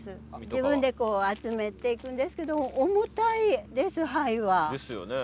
自分でこう集めていくんですけど重たいです灰は。ですよね。